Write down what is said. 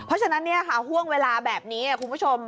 เพราะฉะนั้นห่วงเวลาแบบนี้คุณผู้ชม